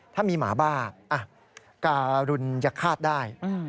ถ้ามีหมาบ้าการุญฆาตได้